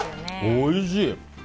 おいしい。